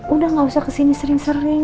udah gak usah kesini sering sering